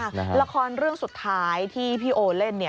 อย่างมากละครเรื่องสุดท้ายที่พี่โอเล่น